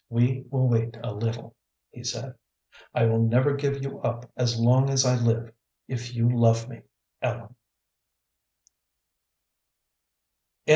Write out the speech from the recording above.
"We will wait a little," he said. "I will never give you up as long as I live if you love me, Ellen."